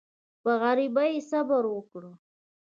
پر غریبۍ یې صبر وکړ.